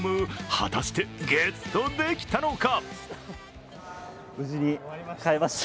果たしてゲットできたのか？